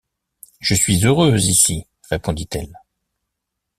Je suis heureuse ici, répondit-elle.